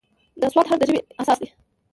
د "ص" حرف د ژبې اساس دی.